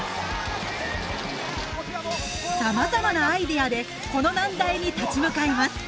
さまざまなアイデアでこの難題に立ち向かいます。